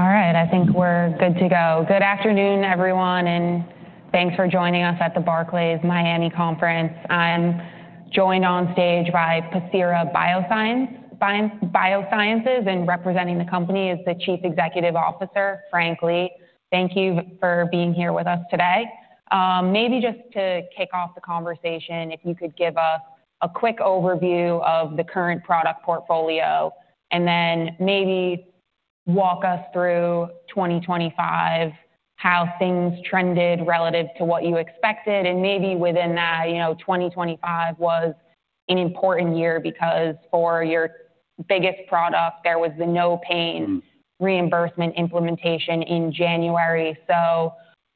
All right. I think we're good to go. Good afternoon, everyone, and thanks for joining us at the Barclays Miami conference. I'm joined on stage by Pacira BioSciences, and representing the company is the Chief Executive Officer, Frank Lee. Thank you for being here with us today. Maybe just to kick off the conversation, if you could give us a quick overview of the current product portfolio and then maybe walk us through 2025, how things trended relative to what you expected and maybe within that, you know, 2025 was an important year because for your biggest product, there was the NOPAIN reimbursement implementation in January.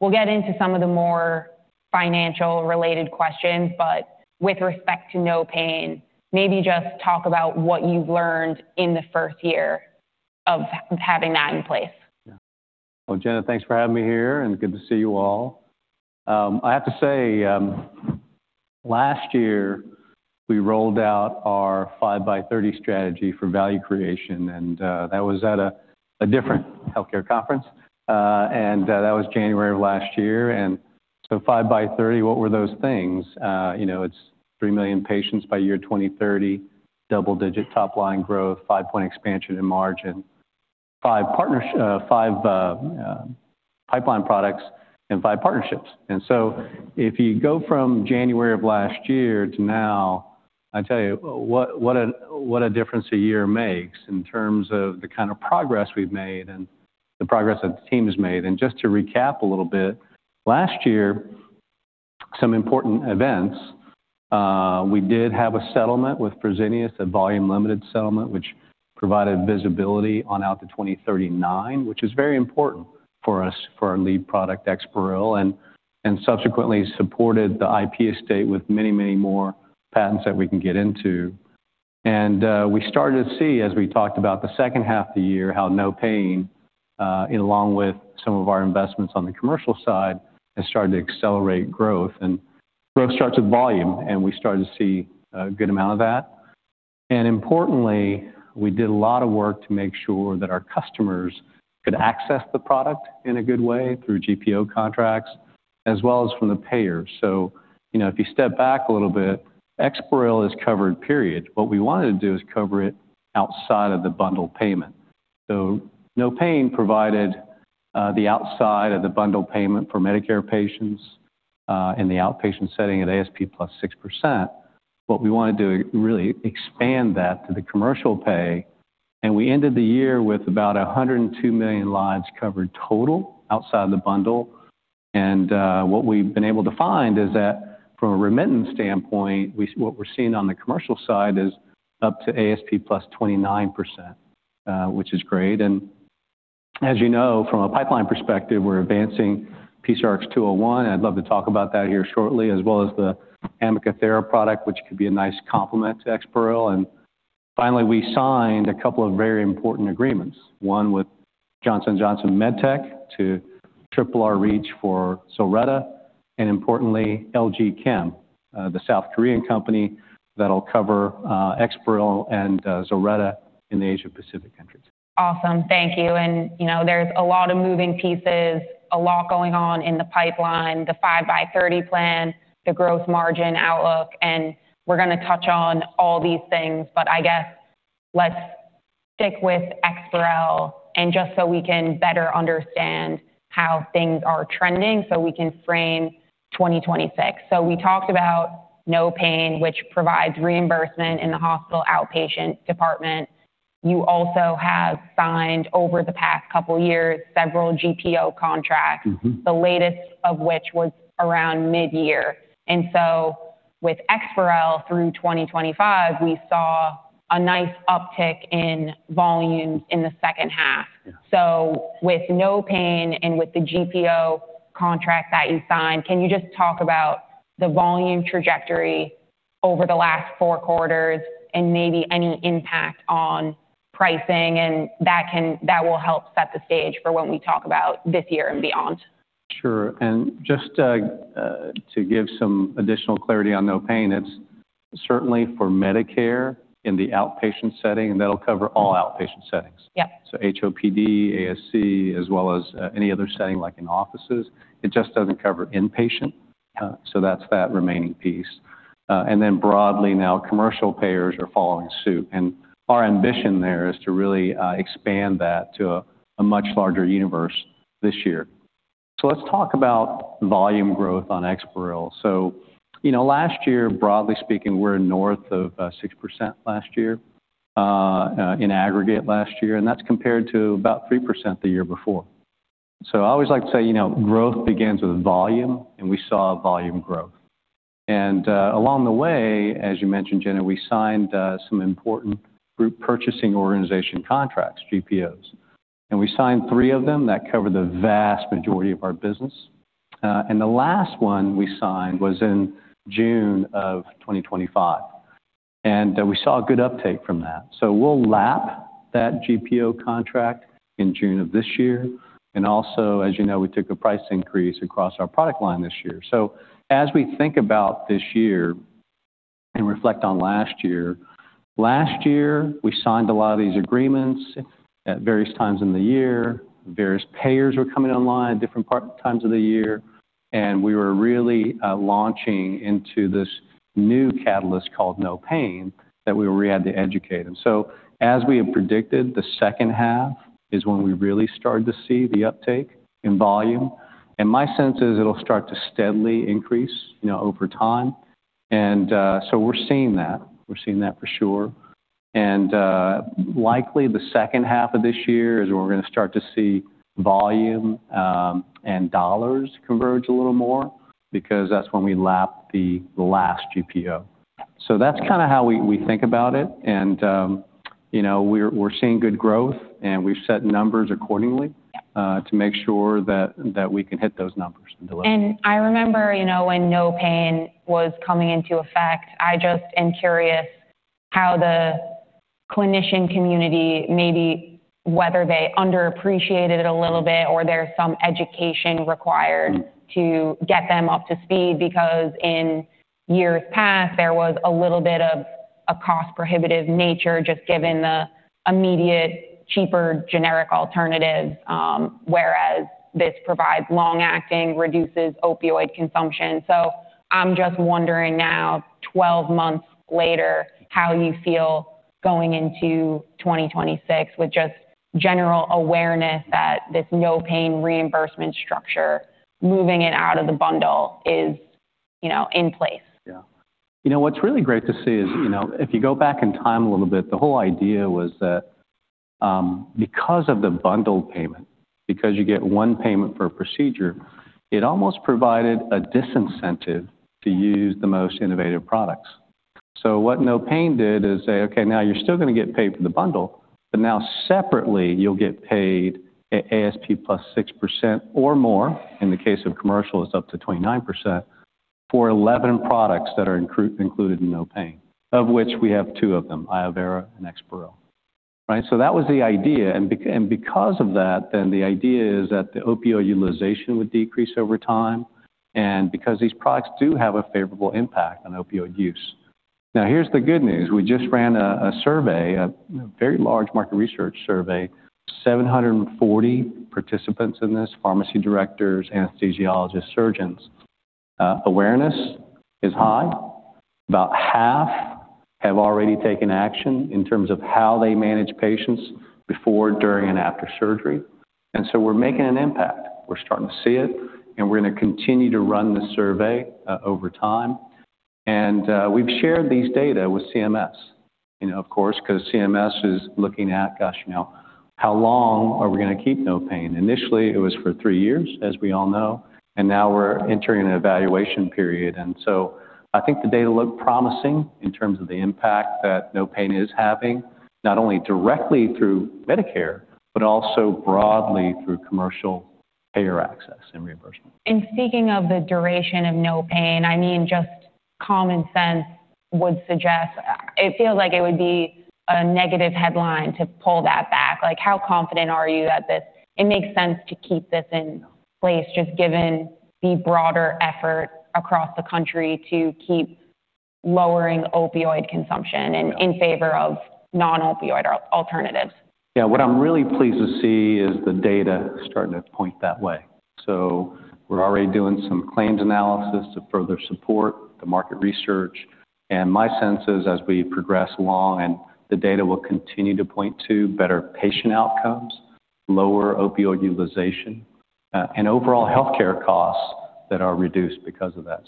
We'll get into some of the more financial-related questions, but with respect to NOPAIN, maybe just talk about what you've learned in the first year of having that in place. Well, Jenna, thanks for having me here, and good to see you all. I have to say, last year, we rolled out our 5x30 strategy for value creation, and that was at a different healthcare conference. That was January of last year. Five by thirty, what were those things? You know, it's 3 million patients by year 2030, double-digit top line growth, five-point expansion in margin, five pipeline products and five partnerships. If you go from January of last year to now, I tell you what a difference a year makes in terms of the kind of progress we've made and the progress that the team has made. Just to recap a little bit, last year, some important events, we did have a settlement with Fresenius, a volume-limited settlement, which provided visibility out to 2039, which is very important for us for our lead product, EXPAREL, and subsequently supported the IP estate with many, many more patents that we can get into. We started to see, as we talked about the second half of the year, how NOPAIN, along with some of our investments on the commercial side, has started to accelerate growth. Growth starts with volume, and we started to see a good amount of that. Importantly, we did a lot of work to make sure that our customers could access the product in a good way through GPO contracts as well as from the payer. You know, if you step back a little bit, EXPAREL is covered, period. What we wanted to do is cover it outside of the bundled payment. NOPAIN Act provided the outside of the bundled payment for Medicare patients in the outpatient setting at ASP + 6%. What we want to do is really expand that to the commercial pay. We ended the year with about 102 million lives covered total outside the bundle. What we've been able to find is that from a remittance standpoint, what we're seeing on the commercial side is up to ASP + 29%, which is great. As you know, from a pipeline perspective, we're advancing PCRX-201, and I'd love to talk about that here shortly, as well as the iovera° product, which could be a nice complement to EXPAREL. Finally, we signed a couple of very important agreements, one with Johnson & Johnson MedTech to triple our reach for ZILRETTA and importantly, LG Chem, the South Korean company that'll cover EXPAREL and ZILRETTA in the Asia Pacific countries. Awesome. Thank you. You know, there's a lot of moving pieces, a lot going on in the pipeline, the 5x30 plan, the growth margin outlook, and we're gonna touch on all these things. I guess let's stick with EXPAREL and just so we can better understand how things are trending, so we can frame 2026. We talked about NOPAIN, which provides reimbursement in the hospital outpatient department. You also have signed over the past couple years several GPO contracts. Mm-hmm. The latest of which was around mid-year. With EXPAREL through 2025, we saw a nice uptick in volume in the second half. Yeah. With NOPAIN and with the GPO contract that you signed, can you just talk about the volume trajectory over the last four quarters and maybe any impact on pricing and that will help set the stage for when we talk about this year and beyond? Sure. Just to give some additional clarity on NOPAIN, it's certainly for Medicare in the outpatient setting, and that'll cover all outpatient settings. Yep. HOPD, ASC, as well as any other setting like in offices. It just doesn't cover inpatient. Yeah. that's that remaining piece. broadly now, commercial payers are following suit, and our ambition there is to really expand that to a much larger universe this year. let's talk about volume growth on EXPAREL. you know, last year, broadly speaking, we're north of 6% last year, in aggregate last year, and that's compared to about 3% the year before. I always like to say, you know, growth begins with volume, and we saw volume growth. along the way, as you mentioned, Jenna, we signed some important group purchasing organization contracts, GPOs. we signed three of them that cover the vast majority of our business. the last one we signed was in June of 2025, and we saw a good uptake from that. We'll lap that GPO contract in June of this year. Also, as you know, we took a price increase across our product line this year. As we think about this year and reflect on last year. Last year, we signed a lot of these agreements at various times in the year. Various payers were coming online at different times of the year, and we were really launching into this new catalyst called the NOPAIN Act that we really had to educate. As we had predicted, the second half is when we really started to see the uptake in volume. My sense is it'll start to steadily increase, you know, over time. We're seeing that. We're seeing that for sure. Likely the second half of this year is when we're gonna start to see volume, and dollars converge a little more because that's when we lap the last GPO. That's kinda how we think about it. You know, we're seeing good growth and we've set numbers accordingly, to make sure that we can hit those numbers and deliver. I remember, you know, when NOPAIN was coming into effect. I just am curious how the clinician community maybe whether they underappreciated it a little bit, or there's some education required to get them up to speed because in years past, there was a little bit of a cost-prohibitive nature just given the immediate cheaper generic alternatives, whereas this provides long-acting, reduces opioid consumption? I'm just wondering now, 12 months later, how you feel going into 2026 with just general awareness that this NOPAIN reimbursement structure, moving it out of the bundle is, you know, in place? You know, what's really great to see is, you know, if you go back in time a little bit, the whole idea was that, because of the bundled payment, because you get one payment per procedure, it almost provided a disincentive to use the most innovative products. What the NOPAIN Act did is say, "Okay, now you're still gonna get paid for the bundle, but now separately, you'll get paid at ASP +6% or more," in the case of commercial, it's up to 29%, "for 11 products that are included in the NOPAIN Act," of which we have two of them, iovera° and EXPAREL. Right? That was the idea. Because of that, then the idea is that the opioid utilization would decrease over time, and because these products do have a favorable impact on opioid use. Now, here's the good news. We just ran a survey, you know, a very large market research survey. 740 participants in this, pharmacy directors, anesthesiologists, surgeons. Awareness is high. About half have already taken action in terms of how they manage patients before, during, and after surgery. We're making an impact. We're starting to see it, and we're gonna continue to run the survey over time. We've shared these data with CMS, you know, of course, 'cause CMS is looking at, gosh, you know, how long are we gonna keep NOPAIN? Initially, it was for three years, as we all know, and now we're entering an evaluation period. I think the data look promising in terms of the impact that NOPAIN is having, not only directly through Medicare, but also broadly through commercial payer access and reimbursement. Speaking of the duration of NOPAIN, I mean, just common sense would suggest. It feels like it would be a negative headline to pull that back. Like, how confident are you that it makes sense to keep this in place, just given the broader effort across the country to keep lowering opioid consumption and in favor of non-opioid alternatives? Yeah. What I'm really pleased to see is the data starting to point that way. We're already doing some claims analysis to further support the market research. My sense is as we progress along and the data will continue to point to better patient outcomes, lower opioid utilization, and overall healthcare costs that are reduced because of that.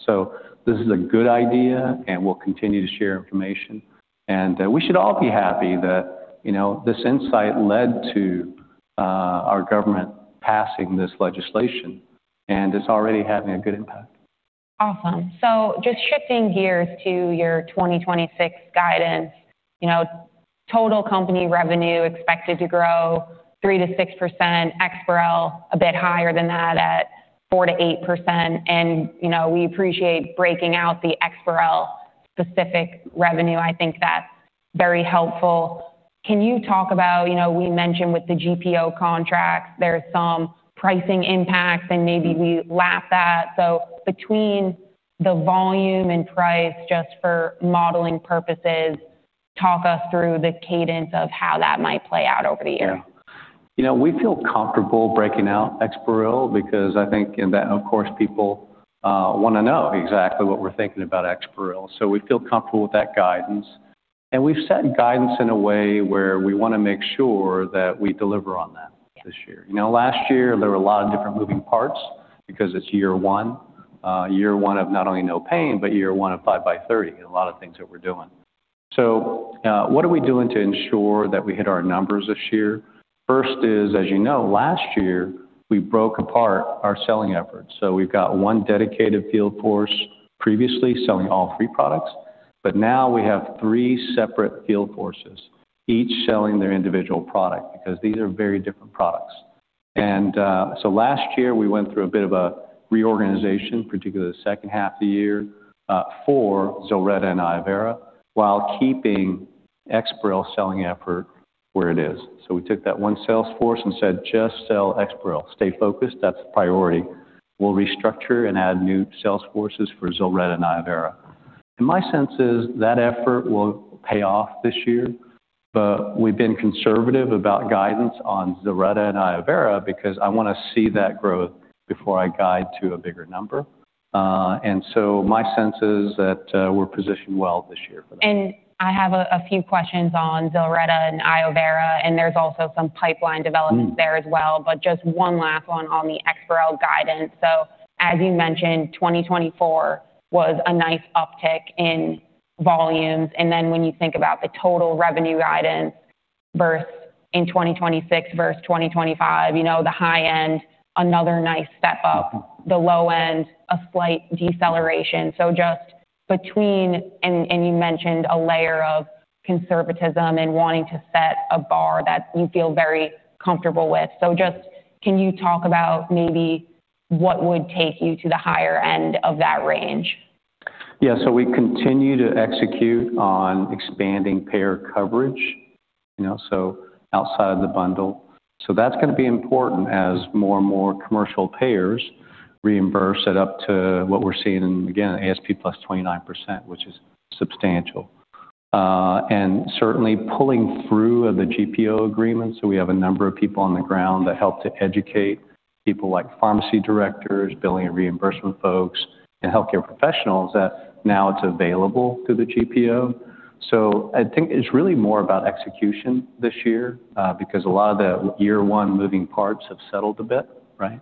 This is a good idea, and we'll continue to share information. We should all be happy that, you know, this insight led to our government passing this legislation, and it's already having a good impact. Awesome. Just shifting gears to your 2026 guidance. You know, total company revenue expected to grow 3%-6%, EXPAREL a bit higher than that at 4%-8%. You know, we appreciate breaking out the EXPAREL specific revenue. I think that's very helpful. Can you talk about, you know, we mentioned with the GPO contracts, there's some pricing impacts and maybe we lap that? Between the volume and price just for modeling purposes, talk us through the cadence of how that might play out over the year? Yeah. You know, we feel comfortable breaking out EXPAREL because I think and that, of course, people wanna know exactly what we're thinking about EXPAREL. We feel comfortable with that guidance. We've set guidance in a way where we wanna make sure that we deliver on that this year. You know, last year, there were a lot of different moving parts because it's year one. Year one of not only NOPAIN, but year one of 5x30 and a lot of things that we're doing. What are we doing to ensure that we hit our numbers this year? First is, as you know, last year, we broke apart our selling efforts. We've got one dedicated field force previously selling all three products, but now we have three separate field forces, each selling their individual product because these are very different products. Last year, we went through a bit of a reorganization, particularly the second half of the year, for ZILRETTA and iovera°, while keeping EXPAREL selling effort where it is. We took that one sales force and said, "Just sell EXPAREL. Stay focused. That's the priority." We'll restructure and add new sales forces for ZILRETTA and iovera°. My sense is that effort will pay off this year, but we've been conservative about guidance on ZILRETTA and iovera° because I want to see that growth before I guide to a bigger number. My sense is that we're positioned well this year for that. I have a few questions on ZILRETTA and iovera°, and there's also some pipeline developments there as well. Just one last one on the EXPAREL guidance. As you mentioned, 2024 was a nice uptick in volumes. Then when you think about the total revenue guidance versus 2026 versus 2025, you know, the high end, another nice step up. The low end, a slight deceleration. You mentioned a layer of conservatism and wanting to set a bar that you feel very comfortable with. Just can you talk about maybe what would take you to the higher end of that range? Yeah. We continue to execute on expanding payer coverage, you know, so outside the bundle. That's gonna be important as more and more commercial payers reimburse it up to what we're seeing in, again, ASP +29%, which is substantial. And certainly pulling through the GPO agreement. We have a number of people on the ground that help to educate people like pharmacy directors, billing and reimbursement folks, and healthcare professionals that now it's available through the GPO. I think it's really more about execution this year, because a lot of the year one moving parts have settled a bit, right?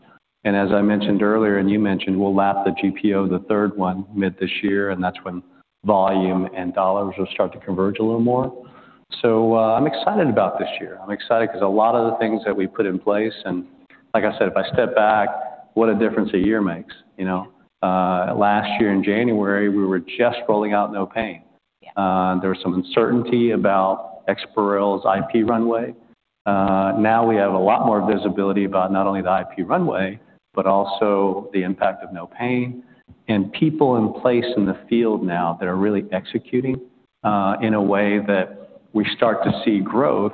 As I mentioned earlier, and you mentioned, we'll lap the GPO, the third one mid this year, and that's when volume and dollars will start to converge a little more. I'm excited about this year. I'm excited 'cause a lot of the things that we put in place, and like I said, if I step back, what a difference a year makes, you know. Last year in January, we were just rolling out NOPAIN. Yeah. There was some uncertainty about EXPAREL's IP runway. Now we have a lot more visibility about not only the IP runway, but also the impact of NOPAIN. People in place in the field now that are really executing, in a way that we start to see growth.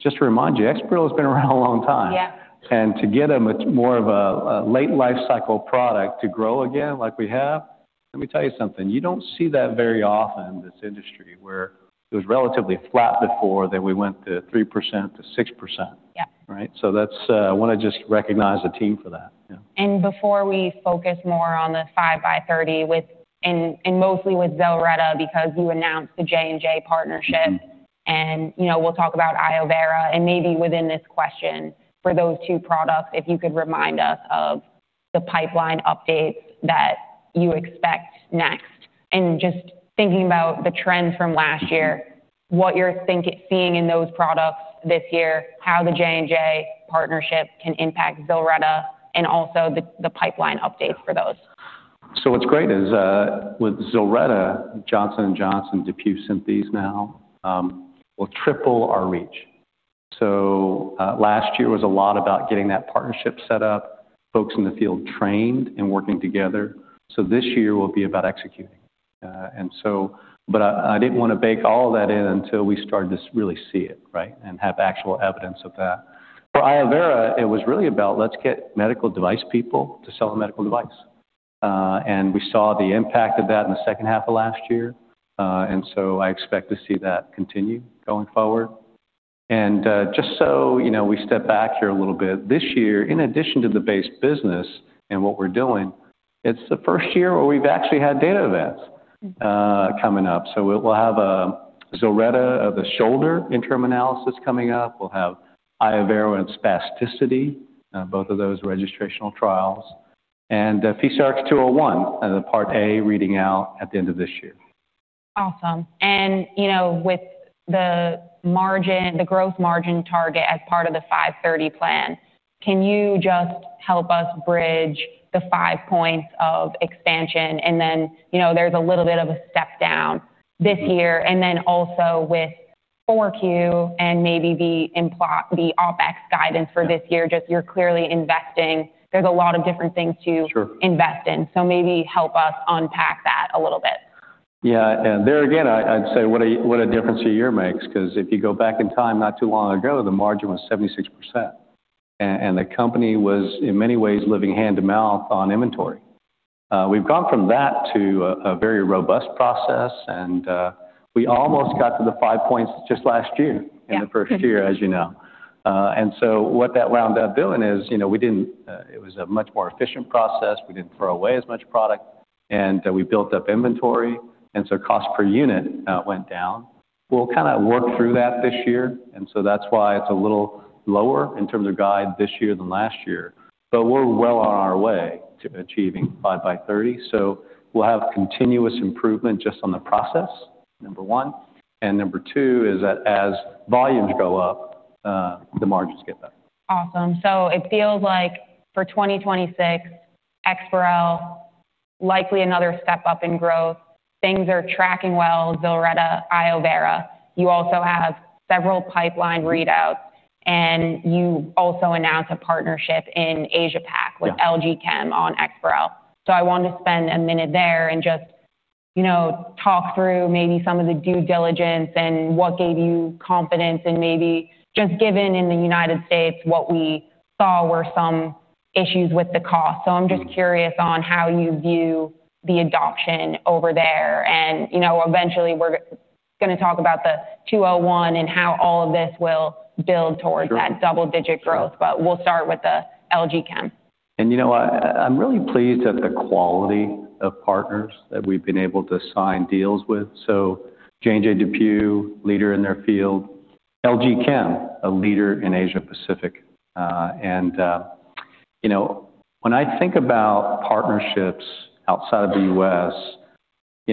Just to remind you, EXPAREL has been around a long time. Yeah. To get a much more of a late life cycle product to grow again like we have, let me tell you something, you don't see that very often in this industry where it was relatively flat before, then we went to 3%-6%. Yeah. Right? That's, I wanna just recognize the team for that. Yeah. Before we focus more on the five by thirty and mostly with ZILRETTA because you announced the J&J partnership. Mm-hmm. You know, we'll talk about iovera° and maybe within this question for those two products, if you could remind us of the pipeline updates that you expect next? Just thinking about the trends from last year, what you're seeing in those products this year, how the J&J partnership can impact ZILRETTA and also the pipeline updates for those? What's great is, with ZILRETTA, Johnson & Johnson, DePuy Synthes now, will triple our reach. Last year was a lot about getting that partnership set up, folks in the field trained and working together. This year will be about executing. I didn't wanna bake all that in until we started to really see it, right, and have actual evidence of that. For iovera°, it was really about let's get medical device people to sell a medical device. We saw the impact of that in the second half of last year. I expect to see that continue going forward. Just so, you know, we step back here a little bit. This year, in addition to the base business and what we're doing, it's the first year where we've actually had data events coming up. We'll have ZILRETTA of the shoulder interim analysis coming up. We'll have iovera° and spasticity both of those registrational trials. PCRX-201 the part A reading out at the end of this year. Awesome. You know, with the growth margin target as part of the 5x30 plan, can you just help us bridge the five points of expansion? You know, there's a little bit of a step-down this year. With four Q and maybe the OpEx guidance for this year, just you're clearly investing. There's a lot of different things to- Sure. -Invest in. Maybe help us unpack that a little bit. Yeah. There again, I'd say what a difference a year makes 'cause if you go back in time not too long ago, the margin was 76%. The company was in many ways living hand-to-mouth on inventory. We've gone from that to a very robust process, and we almost got to the 5 points just last year. Yeah. In the first year, as you know. What that wound up doing is, you know, we didn't, it was a much more efficient process. We didn't throw away as much product, and we built up inventory, and so cost per unit went down. We'll kinda work through that this year, and so that's why it's a little lower in terms of guide this year than last year. We're well on our way to achieving five by thirty. We'll have continuous improvement just on the process, number one. Number two is that as volumes go up, the margins get better. Awesome. It feels like for 2026, EXPAREL likely another step up in growth. Things are tracking well, ZILRETTA, iovera°. You also have several pipeline readouts, and you also announced a partnership in Asia-Pac. Yeah. With LG Chem on EXPAREL. I want to spend a minute there and just you know, talk through maybe some of the due diligence and what gave you confidence and maybe just given in the United States what we saw were some issues with the cost. I'm just curious on how you view the adoption over there and, you know, eventually we're gonna talk about the two zero one and how all of this will build towards Sure. That double-digit growth. We'll start with the LG Chem. You know, I'm really pleased at the quality of partners that we've been able to sign deals with. J&J DePuy, leader in their field, LG Chem, a leader in Asia Pacific. you know, when I think about partnerships outside of the U.S., you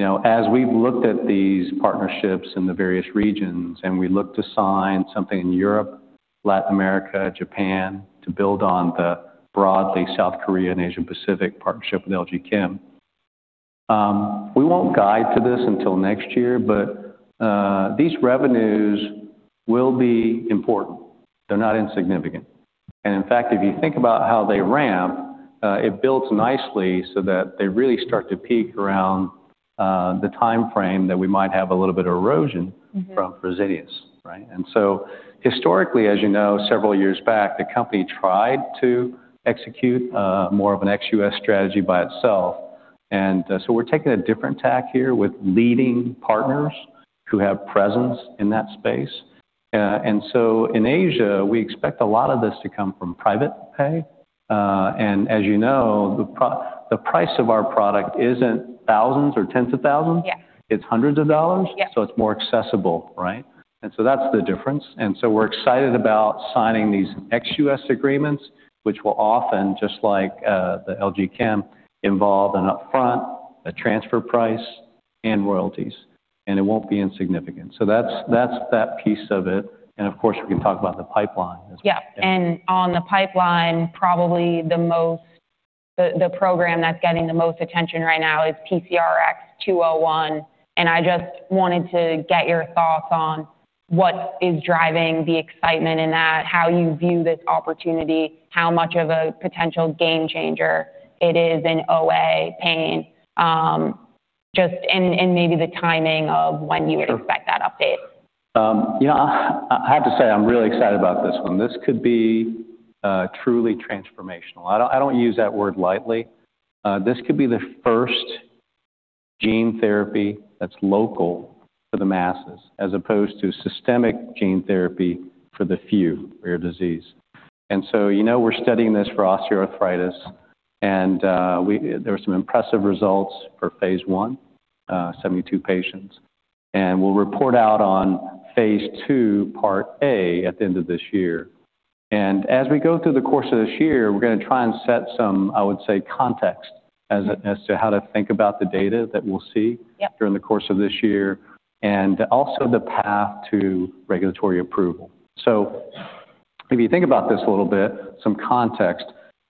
know, as we've looked at these partnerships in the various regions and we look to sign something in Europe, Latin America, Japan, to build on the broadly South Korean Asian Pacific partnership with LG Chem, we won't guide to this until next year, but these revenues will be important. They're not insignificant. In fact, if you think about how they ramp, it builds nicely so that they really start to peak around the timeframe that we might have a little bit of erosion. Mm-hmm. From Fresenius. Right? Historically, as you know, several years back, the company tried to execute more of an ex-U.S. strategy by itself. We're taking a different tack here with leading partners who have presence in that space. In Asia, we expect a lot of this to come from private pay. As you know, the price of our product isn't thousands or tens of thousands. Yeah. It's hundreds of dollars. Yeah. It's more accessible, right? That's the difference. We're excited about signing these ex-U.S. agreements, which will often, just like the LG Chem, involve an upfront, a transfer price and royalties, and it won't be insignificant. That's that piece of it. Of course, we can talk about the pipeline as well. Yeah. On the pipeline, probably the program that's getting the most attention right now is PCRX-201. I just wanted to get your thoughts on what is driving the excitement in that, how you view this opportunity, how much of a potential game changer it is in OA pain, just, and maybe the timing of when you- Sure. Would expect that update. You know, I have to say I'm really excited about this one. This could be truly transformational. I don't use that word lightly. This could be the first gene therapy that's local for the masses as opposed to systemic gene therapy for the few rare disease. You know, we're studying this for osteoarthritis, and there were some impressive results for phase I, 72 patients. We'll report out on phase II, part A at the end of this year. As we go through the course of this year, we're gonna try and set some, I would say, context as to how to think about the data that we'll see. Yeah. During the course of this year, and also the path to regulatory approval. If you think about this a little bit, some context,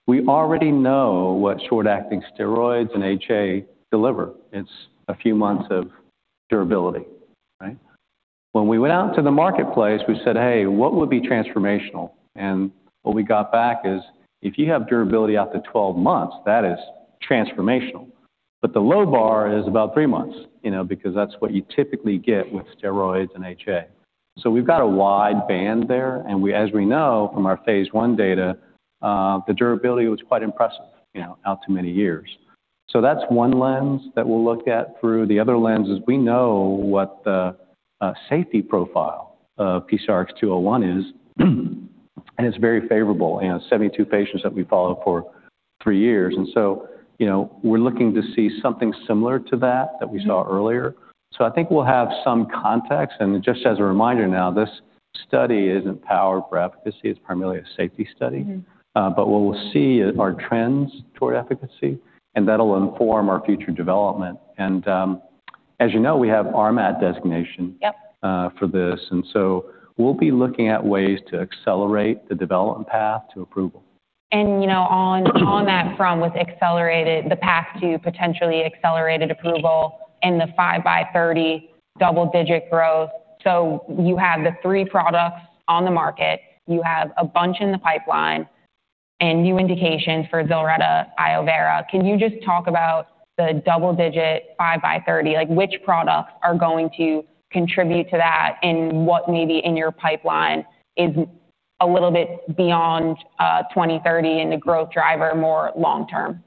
we already know what short-acting steroids and HA deliver. It's a few months of durability, right? When we went out to the marketplace, we said, "Hey, what would be transformational?" What we got back is, "If you have durability out to 12 months, that is transformational." The low bar is about three months, you know, because that's what you typically get with steroids and HA. We've got a wide band there. As we know from our phase I data, the durability was quite impressive, you know, out to many years. That's one lens that we'll look at through. The other lens is we know what the safety profile of PCRX-201 is, and it's very favorable. You know, 72 patients that we followed for three years. You know, we're looking to see something similar to that we saw earlier. I think we'll have some context. Just as a reminder now, this study isn't powered for efficacy, it's primarily a safety study. Mm-hmm. What we'll see are trends toward efficacy, and that'll inform our future development. As you know, we have RMAT designation. Yep. For this, we'll be looking at ways to accelerate the development path to approval. You know, on that front with the path to potentially accelerated approval and the 5x30 double-digit growth. You have the three products on the market, you have a bunch in the pipeline and new indications for ZILRETTA, iovera°. Can you just talk about the double-digit 5x30? Like, which products are going to contribute to that, and what maybe in your pipeline is a little bit beyond 2030 and a growth driver more long term?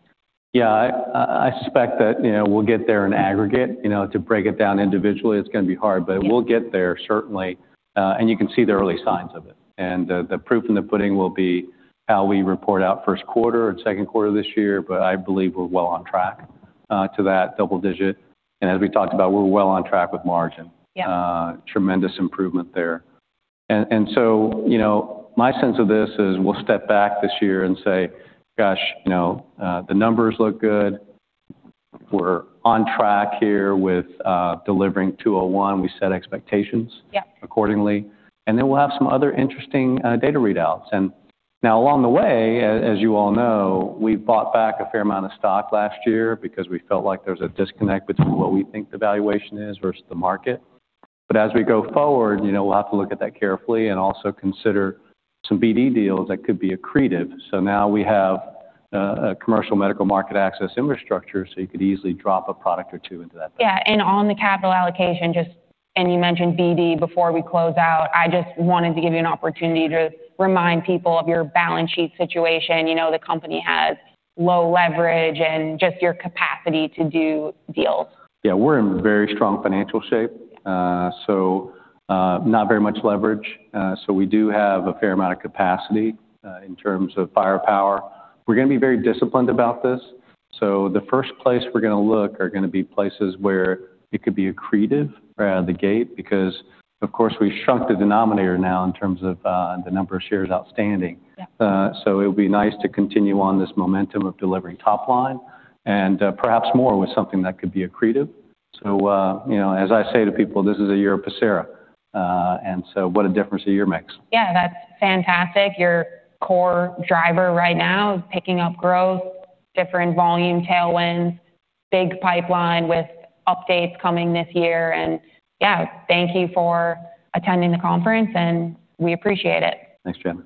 Yeah. I suspect that, you know, we'll get there in aggregate. You know, to break it down individually, it's gonna be hard. Yeah. We'll get there certainly. You can see the early signs of it. The proof in the pudding will be how we report out first quarter and second quarter this year. I believe we're well on track to that double digit. As we talked about, we're well on track with margin. Yeah. Tremendous improvement there. My sense of this is we'll step back this year and say, "Gosh, you know, the numbers look good. We're on track here with delivering 201. We set expectations. Yeah. Accordingly." Then we'll have some other interesting data readouts. Now along the way, as you all know, we bought back a fair amount of stock last year because we felt like there's a disconnect between what we think the valuation is versus the market. As we go forward, you know, we'll have to look at that carefully and also consider some BD deals that could be accretive. Now we have a commercial medical market access infrastructure, so you could easily drop a product or two into that. Yeah. On the capital allocation, you mentioned BD before we close out. I just wanted to give you an opportunity to remind people of your balance sheet situation. You know, the company has low leverage and just your capacity to do deals. Yeah. We're in very strong financial shape. Not very much leverage. We do have a fair amount of capacity in terms of firepower. We're gonna be very disciplined about this. The first place we're gonna look are gonna be places where it could be accretive right out of the gate, because of course, we shrunk the denominator now in terms of the number of shares outstanding. Yeah. It would be nice to continue on this momentum of delivering top line and, perhaps more with something that could be accretive. You know, as I say to people, this is a year of Pacira. What a difference a year makes. Yeah, that's fantastic. Your core driver right now is picking up growth, different volume tailwinds, big pipeline with updates coming this year. Yeah, thank you for attending the conference, and we appreciate it. Thanks, Jenna.